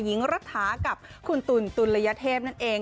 หญิงรัฐากับคุณตุ๋นตุลยเทพนั่นเอง